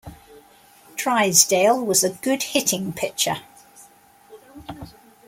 Drysdale was a good hitting pitcher.